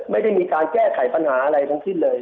ไม่ได้มีการแก้ไขปัญหาอะไรทั้งสิ้นเลย